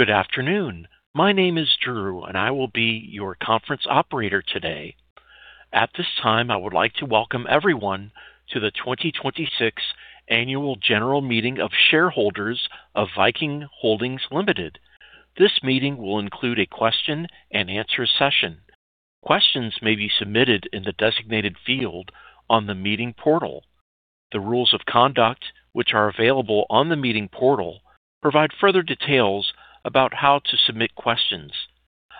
Good afternoon. My name is Drew, I will be your conference operator today. At this time, I would like to welcome everyone to the 2026 annual general meeting of shareholders of Viking Holdings Ltd. This meeting will include a question-and-answer session. Questions may be submitted in the designated field on the meeting portal. The rules of conduct, which are available on the meeting portal, provide further details about how to submit questions.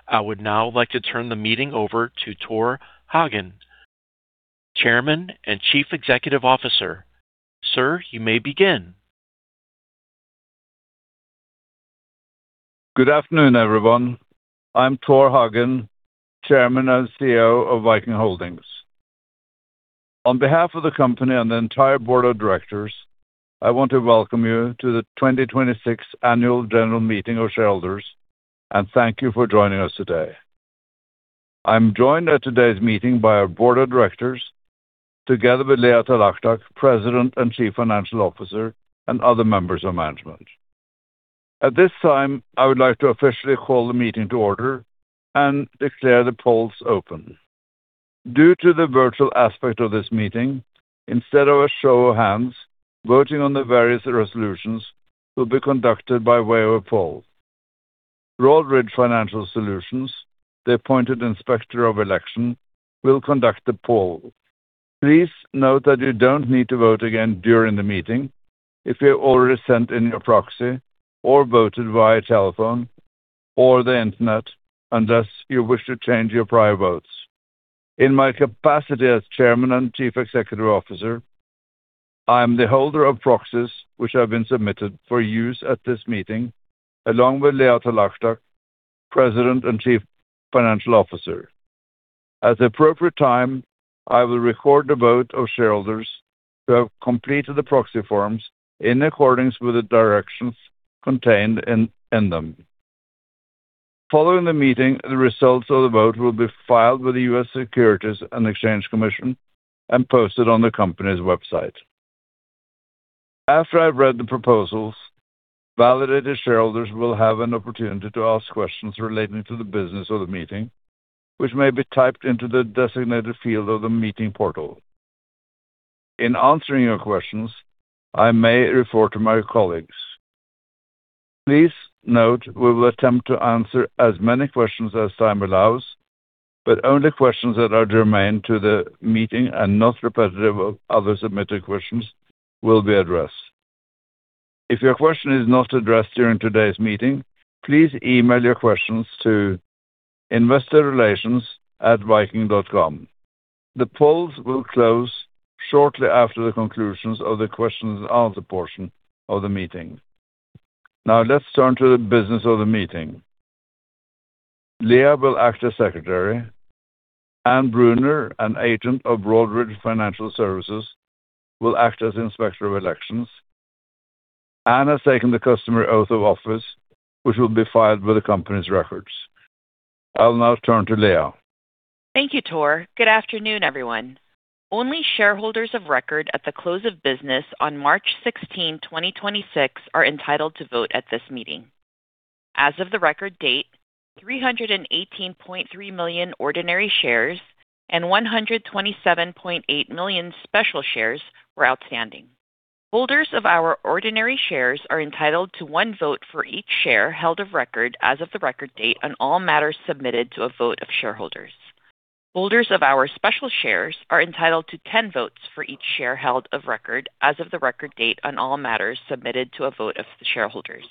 I would now like to turn the meeting over to Tor Hagen, Chairman and Chief Executive Officer. Sir, you may begin. Good afternoon, everyone. I'm Tor Hagen, Chairman and CEO of Viking Holdings. On behalf of the company and the entire board of directors, I want to welcome you to the 2026 annual general meeting of shareholders and thank you for joining us today. I'm joined at today's meeting by our board of directors, together with Leah Talactac, President and Chief Financial Officer, and other members of management. At this time, I would like to officially call the meeting to order and declare the polls open. Due to the virtual aspect of this meeting, instead of a show of hands, voting on the various resolutions will be conducted by way of poll. Broadridge Financial Solutions, the appointed inspector of election, will conduct the poll. Please note that you don't need to vote again during the meeting if you already sent in your proxy or voted via telephone or the internet, unless you wish to change your prior votes. In my capacity as Chairman and Chief Executive Officer, I am the holder of proxies which have been submitted for use at this meeting, along with Leah Talactac, President and Chief Financial Officer. At the appropriate time, I will record the vote of shareholders who have completed the proxy forms in accordance with the directions contained in them. Following the meeting, the results of the vote will be filed with the U.S. Securities and Exchange Commission and posted on the company's website. After I've read the proposals, validated shareholders will have an opportunity to ask questions relating to the business of the meeting, which may be typed into the designated field of the meeting portal. In answering your questions, I may refer to my colleagues. Please note we will attempt to answer as many questions as time allows, but only questions that are germane to the meeting and not repetitive of other submitted questions will be addressed. If your question is not addressed during today's meeting, please email your questions to investorrelations@viking.com. The polls will close shortly after the conclusions of the question-and-answer portion of the meeting. Let's turn to the business of the meeting. Leah will act as secretary. Anne Brunner, an agent of Broadridge Financial Solutions, will act as inspector of elections. Anne has taken the customary oath of office, which will be filed with the company's records. I'll now turn to Leah. Thank you, Tor. Good afternoon, everyone. Only shareholders of record at the close of business on March 16, 2026 are entitled to vote at this meeting. As of the record date, 318.3 million ordinary shares and 127.8 million special shares were outstanding. Holders of our ordinary shares are entitled to one vote for each share held of record as of the record date on all matters submitted to a vote of shareholders. Holders of our special shares are entitled to 10 votes for each share held of record as of the record date on all matters submitted to a vote of the shareholders.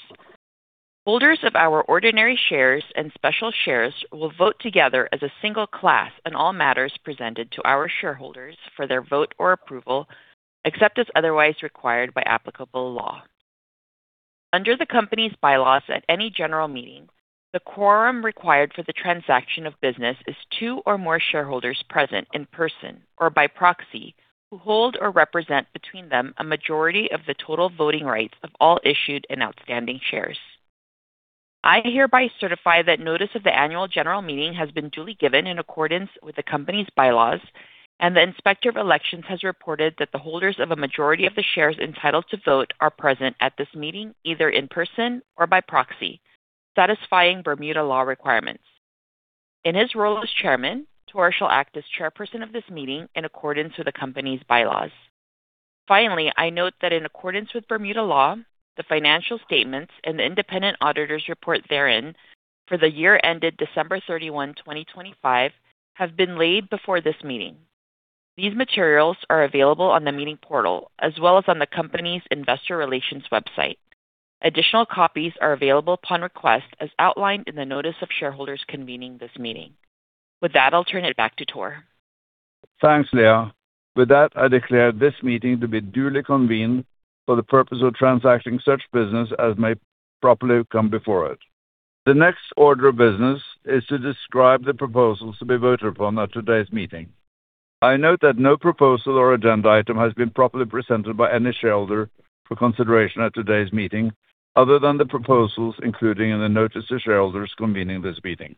Holders of our ordinary shares and special shares will vote together as a single class on all matters presented to our shareholders for their vote or approval, except as otherwise required by applicable law. Under the company's bylaws at any general meeting, the quorum required for the transaction of business is two or more shareholders present in person or by proxy who hold or represent between them a majority of the total voting rights of all issued and outstanding shares. I hereby certify that notice of the annual general meeting has been duly given in accordance with the company's bylaws, and the inspector of elections has reported that the holders of a majority of the shares entitled to vote are present at this meeting, either in person or by proxy, satisfying Bermuda law requirements. In his role as chairman, Tor shall act as chairperson of this meeting in accordance with the company's bylaws. I note that in accordance with Bermuda law, the financial statements and the independent auditor's report therein for the year ended December 31, 2025 have been laid before this meeting. These materials are available on the meeting portal as well as on the company's investor relations website. Additional copies are available upon request as outlined in the notice of shareholders convening this meeting. I'll turn it back to Tor. Thanks, Leah. With that, I declare this meeting to be duly convened for the purpose of transacting such business as may properly come before it. The next order of business is to describe the proposals to be voted upon at today's meeting. I note that no proposal or agenda item has been properly presented by any shareholder for consideration at today's meeting, other than the proposals including in the notice to shareholders convening this meeting.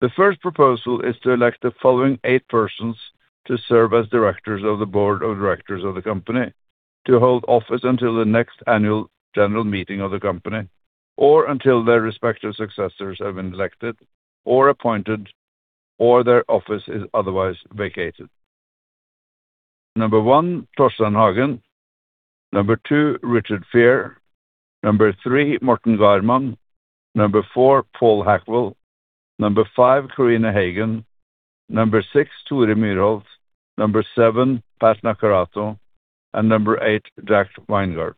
The first proposal is to elect the following eight persons to serve as directors of the board of directors of the company to hold office until the next annual general meeting of the company or until their respective successors have been elected or appointed, or their office is otherwise vacated. Number one, Torstein Hagen. Number two, Richard Fear. Number three, Morten Garman. Number four, Paul Hackwell. Number five, Karine Hagen. Number six, Tore Myrhaug. Number seven, Pat Naccarato, and number eight, Jack Weingart.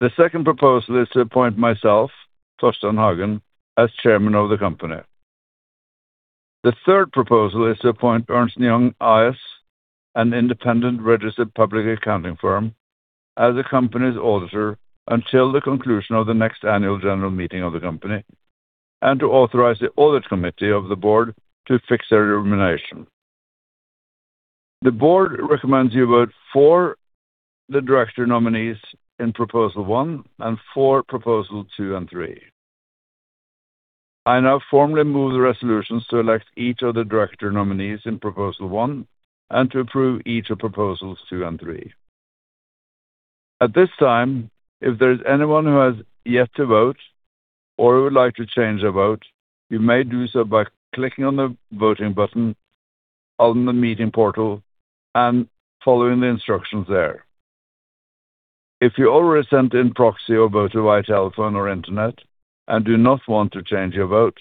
The second proposal is to appoint myself, Torstein Hagen, as chairman of the company. The third proposal is to appoint Ernst & Young AS, an independent registered public accounting firm, as the company's auditor until the conclusion of the next annual general meeting of the company, and to authorize the audit committee of the board to fix their remuneration. The board recommends you vote for the director nominees in proposal 1 and for proposal 2 and 3. I now formally move the resolutions to elect each of the director nominees in proposal 1 and to approve each of proposals 2 and 3. At this time, if there is anyone who has yet to vote or would like to change their vote, you may do so by clicking on the voting button on the meeting portal and following the instructions there. If you already sent in proxy or voted via telephone or internet and do not want to change your vote,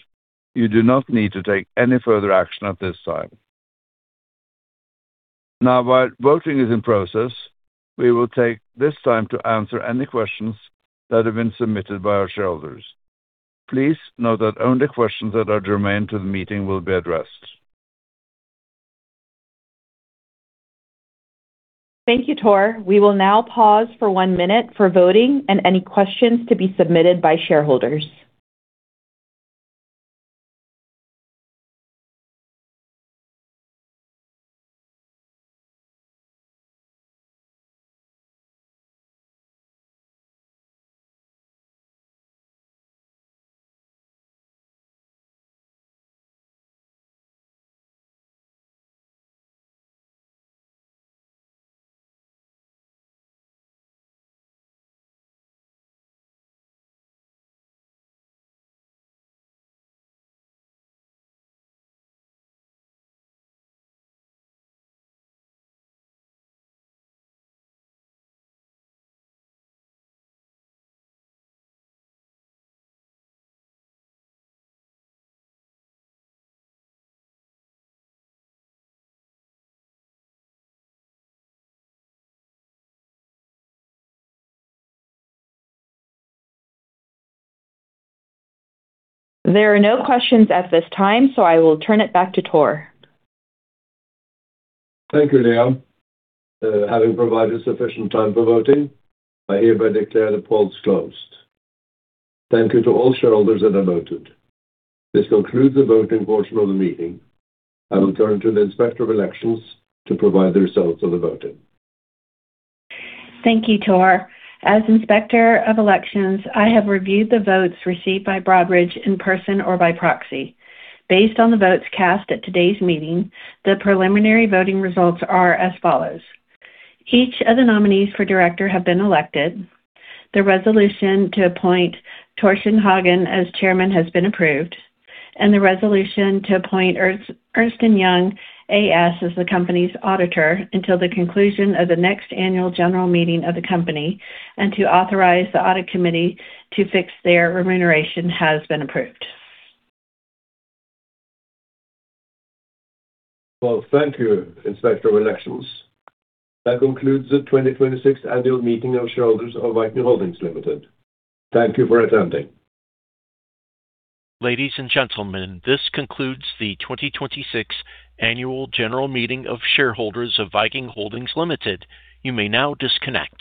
you do not need to take any further action at this time. While voting is in process, we will take this time to answer any questions that have been submitted by our shareholders. Please know that only questions that are germane to the meeting will be addressed. Thank you, Tor. We will now pause for one minute for voting and any questions to be submitted by shareholders. There are no questions at this time. I will turn it back to Tor. Thank you, Leah. Having provided sufficient time for voting, I hereby declare the polls closed. Thank you to all shareholders that have voted. This concludes the voting portion of the meeting. I will turn to the Inspector of Elections to provide the results of the voting. Thank you, Tor. As Inspector of Elections, I have reviewed the votes received by Broadridge in person or by proxy. Based on the votes cast at today's meeting, the preliminary voting results are as follows: Each of the nominees for director have been elected. The resolution to appoint Torstein Hagen as Chairman has been approved, and the resolution to appoint Ernst & Young AS as the company's auditor until the conclusion of the next annual general meeting of the company and to authorize the Audit Committee to fix their remuneration has been approved. Well, thank you, Inspector of Elections. That concludes the 2026 annual meeting of shareholders of Viking Holdings Ltd. Thank you for attending. Ladies and gentlemen, this concludes the 2026 annual general meeting of shareholders of Viking Holdings Ltd. You may now disconnect.